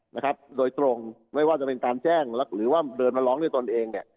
นะครับโดยตรงไม่ว่าจะเป็นการแจ้งหรือว่าเดินมาร้องด้วยตนเองเนี่ย